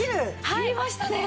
切りましたね。